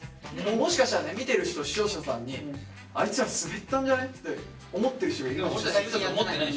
もしかしたらね見てる人視聴者さんに「あいつらスベったんじゃね？」って思ってる人がいるかもしれない。